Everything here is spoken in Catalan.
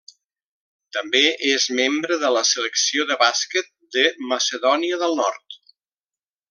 També és membre de la Selecció de bàsquet de Macedònia del Nord.